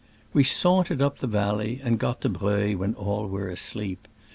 We sauntered up the valley, and got to Breuil when all were asleep.